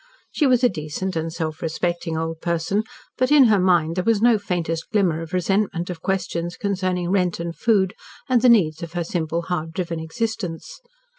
She was a decent and self respecting old person, but in her mind there was no faintest glimmer of resentment of questions concerning rent and food and the needs of her simple, hard driven existence.